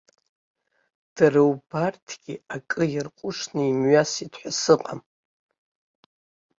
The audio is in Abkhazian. Дара убарҭгьы акы иарҟәышны имҩасит ҳәа сыҟам.